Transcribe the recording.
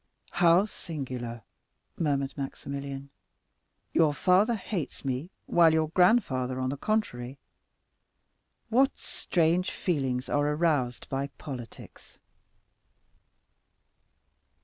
"How singular," murmured Maximilian; "your father hates me, while your grandfather, on the contrary—What strange feelings are aroused by politics."